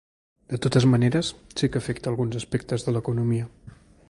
De totes maneres, sí que afecta alguns aspectes de l’economia.